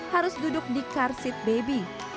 harus duduk di car seat baby